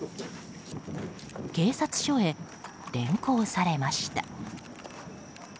警察所へ連行されました。